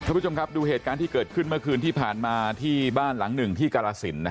คุณผู้ชมครับดูเหตุการณ์ที่เกิดขึ้นเมื่อคืนที่ผ่านมาที่บ้านหลังหนึ่งที่กรสิน